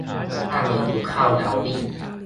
讓你不靠勞力